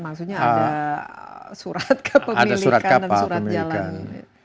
maksudnya ada surat kepemilikan dan surat jalan